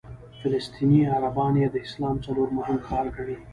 فلسطیني عربان یې د اسلام څلورم مهم ښار ګڼي.